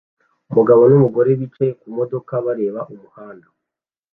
Umugabo n'umugore bicaye ku modoka bareba umuhanda